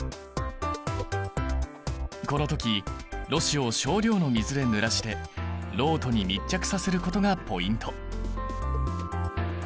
この時ろ紙を少量の水でぬらしてろうとに密着させることがポイント！